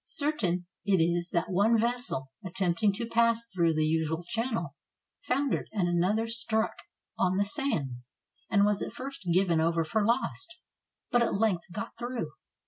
Certain it is that one vessel, at tempting to pass through the usual channel, foundered, and another struck on the sands, and was at first given over for lost, but at length got through.